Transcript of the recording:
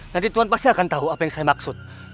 nanti tuhan pasti akan tahu apa yang saya maksud